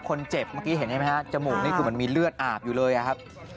เมื่อกี้เห็นใช่ไหมฮะจมูกนี่คือมันมีเลือดอาบอยู่เลยอะครับ